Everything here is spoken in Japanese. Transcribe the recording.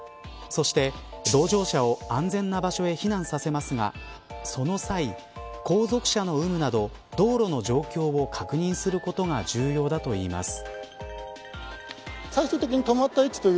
そして、同乗者を安全な場所に避難させますがその際、後続車の有無など道路の状況を確認することが重要だといいます。